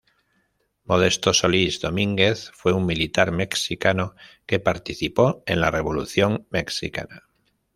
Modesto Solís Domínguez fue un militar mexicano que participó en la Revolución mexicana.